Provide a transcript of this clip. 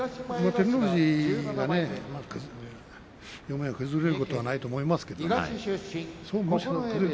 照ノ富士があまり崩れることはないと思いますが。